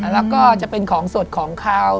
แล้วก็จะเป็นของสดของเขา